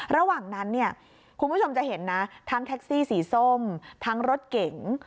ระหว่างนั้นเนี้ยคุณผู้ชมจะเห็นนะทั้งศีรษมทั้งรถเก๋ง